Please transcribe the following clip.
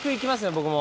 僕も。